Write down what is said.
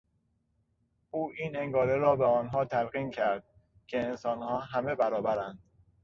او این انگاره را به آنها تلقین کرد که انسانها همه برابرند.